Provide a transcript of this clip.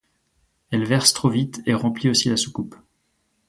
elle verse trop vite, et remplit aussi la soucoupe.